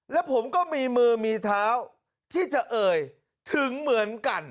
และผมก็มีมือมีเท้าที่จะเอ่ยถึงเหมือนกัน